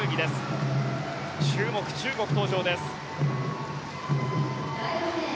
注目、中国登場です。